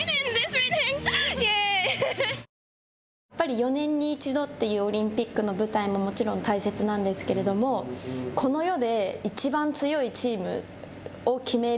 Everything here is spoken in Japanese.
４年に１度っていうオリンピックの舞台ももちろん大切なんですけれどもこの世でいちばん強いチームを決める